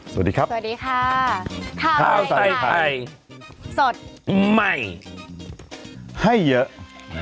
สวัสดีครับสวัสดีค่ะข้าวใส่ไข่สดใหม่ให้เยอะ